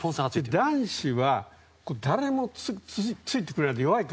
男子は誰もついてくれないの弱いから。